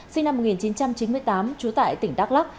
sinh năm một nghìn chín trăm chín mươi tám trú tại tỉnh đắk lắc